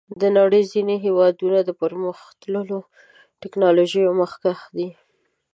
د نړۍ ځینې هېوادونه د پرمختللو ټکنالوژیو مخکښ دي.